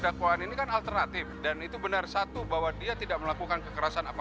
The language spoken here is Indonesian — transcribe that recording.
dakwaan ini kan alternatif dan itu benar satu bahwa dia tidak melakukan kekerasan apapun